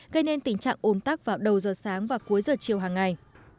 gây nên tình trạng ồn tắc vào đầu giờ sáng và cuối giờ chiều hàng ngày